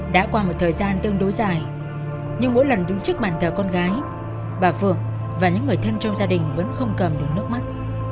đã qua một thời gian tương đối dài nhưng mỗi lần đứng trước bàn thờ con gái bà phượng và những người thân trong gia đình vẫn không cầm được nước mắt